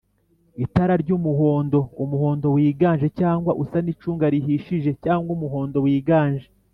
Itara ry’umuhondoUmuhondo wiganje, cg usa n’icunga rihishije cg umuhondo wiganje